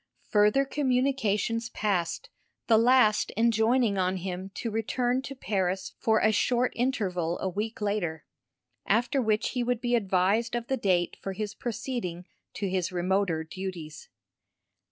Further communications passed, the last enjoining on him to return to Paris for a short interval a week later, after which he would be advised of the date for his proceeding to his remoter duties.